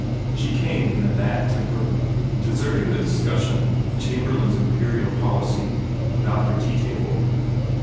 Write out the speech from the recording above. She came in a bad temper, deserting the dis cussion of Chamberlain s Imperial policy about her tea table.